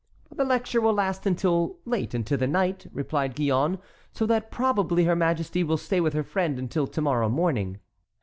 "The lecture will last until late into the night," replied Gillonne, "so that probably her majesty will stay with her friend until to morrow morning."